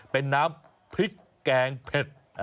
เป็นน้ำพริกแกงเผ็ด